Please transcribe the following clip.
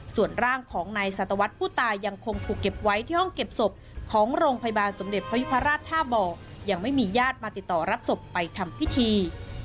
ส่วนร่างของนายสัตวรรษผู้ตายยังคงถูกเก็บไว้ที่ห้องเก็บศพของโรงพยาบาลสมเด็จพระยุพราชท่าบ่อยังไม่มีญาติมาติดต่อรับศพไปทำพิธี